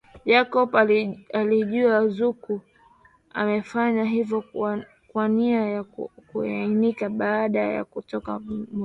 Jacob alijua Zugu amefanya hivyo kwa nia ya kuianika baada ya kutoka mtoni